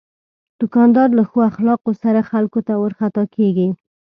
دوکاندار له ښو اخلاقو سره خلکو ته ورخطا کېږي.